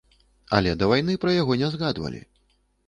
Але да вайны пра яго не згадвалі.